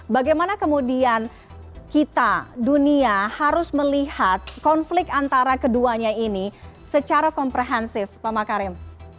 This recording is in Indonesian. bagaimana kemudian kita dunia harus melihat konflik antara keduanya ini secara komprehensif pak makarim